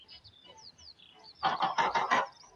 دوی بيا د خاوند او ميرمني په توګه ژوند کولای سي؟